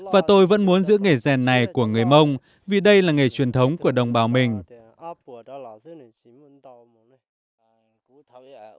và tôi vẫn muốn giữ nghề rèn này của người mông vì đây là nghề truyền thống của đồng bào mình